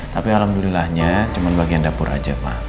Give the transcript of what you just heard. tapi alhamdulillahnya cuma bagian dapur aja pak